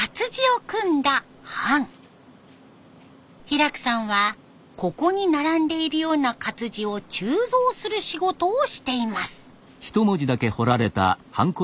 平工さんはここに並んでいるような活字を鋳造する仕事をしています。